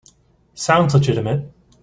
Sounds legitimate.